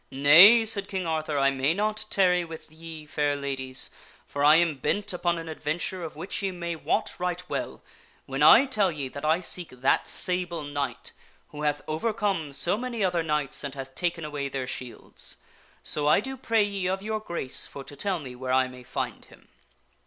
" Nay," said King Arthur," I may not tarry with ye, fair ladies, for I am bent upon an adventure of which ye may wot right well, when I tell ye that I seek that Sable Knight, who hath overcome so many other knights and hath taken away their shields. So I do pray ye of your grace for to tell me where I may find him."